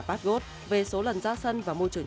pat gould về số lần giá sân và môi trường